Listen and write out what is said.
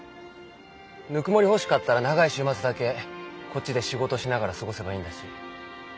ぬくもり欲しかったら長い週末だけこっちで仕事しながら過ごせばいいんだし。